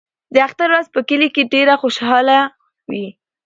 د اختر ورځ په کلي کې ډېره خوشحاله وي.